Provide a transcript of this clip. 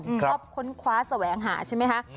ชอบค้นคว้าแสวงหาใช่ไหมคะ